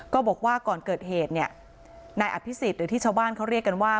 บอกว่าก่อนเกิดเหตุเนี่ยนายอภิษฎหรือที่ชาวบ้านเขาเรียกกันว่า